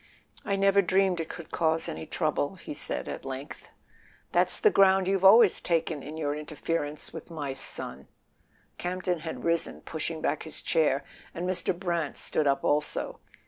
"I never dreamed it could cause any trouble," he said at length. "That's the ground you've always taken in your interference with my son!" Campton had risen, push¬ ing back his chair, and Mr. Brant stood up also.